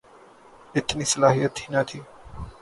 اتنی صلاحیت ہی نہ تھی۔